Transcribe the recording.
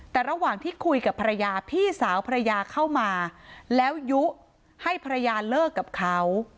แต่ระหว่างที่คุยกับภรรยาพี่สาวภรรยาเข้ามาแล้วยุให้ภรรยาเลิกกับเขา